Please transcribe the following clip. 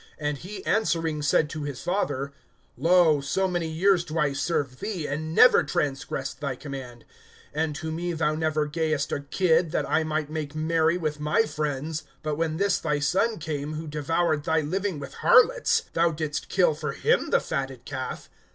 (29)And he answering said to his father: Lo, so many years do I serve thee, and never transgressed thy command; and to me thou never gayest a kid, that I might make merry with my friends. (30)But when this thy son came, who devoured thy living with harlots, thou didst kill for him the fatted calf.